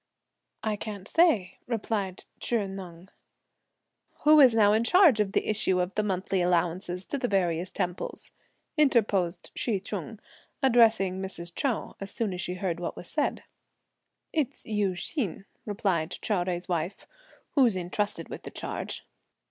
"I can't say," replied Chih Neng. "Who's now in charge of the issue of the monthly allowances to the various temples?" interposed Hsi Ch'un, addressing Mrs. Chou, as soon as she heard what was said. "It's Yü Hsin," replied Chou Jui's wife, "who's intrusted with the charge."